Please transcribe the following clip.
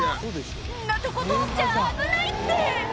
んなとこ通っちゃ危ないって！